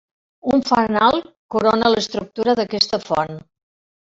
Un fanal corona l'estructura d'aquesta font.